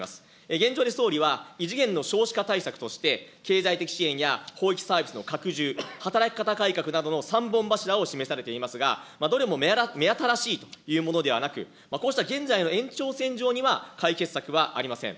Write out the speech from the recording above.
現状で総理は異次元の少子化対策として、経済的支援やサービスの拡充、働き方改革などの３本柱を示されていますが、どれも目新しいというものではなく、こうした現在の延長線上には、解決策はありません。